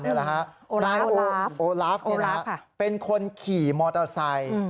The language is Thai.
นายโอลาฟเป็นคนขี่มอเตอร์ไซค์